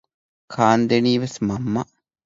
ކާންދެނީވެސް މަންމަ